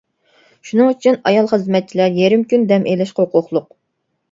شۇنىڭ ئۈچۈن ئايال خىزمەتچىلەر يېرىم كۈن دەم ئېلىشقا ھوقۇقلۇق.